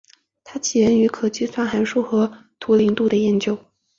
它起源于可计算函数和图灵度的研究。